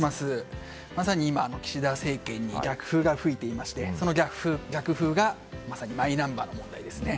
まさに今、岸田政権に逆風が吹いていましてその逆風がまさにマイナンバーの問題ですね。